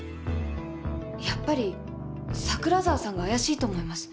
やっぱり桜沢さんが怪しいと思います。